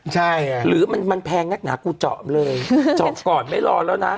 ใช่อ่ะหรือมันมันแพงนักหนากูเจาะเลยเจาะก่อนไม่รอแล้วนะ